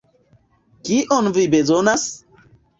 Kion vi bezonas?